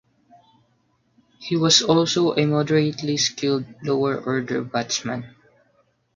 He was also a moderately skilled lower-order batsman.